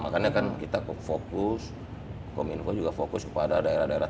makanya kan kita fokus komunikasi indonesia juga fokus kepada daerah daerah tiga t